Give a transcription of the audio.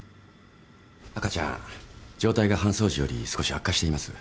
赤ちゃん状態が搬送時より少し悪化しています。